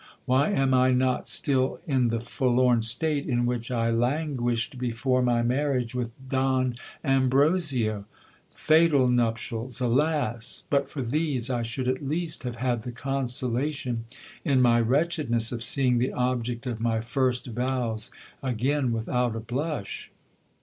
Why am I not still in the forlorn state in which I languished before my marriage with Don Ambrosio ? Fatal nuptials !— alas ! but for these, I should at least have had the consolation in my wretchedness of seeing the object of my first vows again without a blush.